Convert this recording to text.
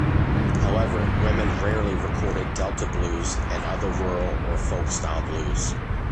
However, women rarely recorded Delta blues and other rural or folk-style blues.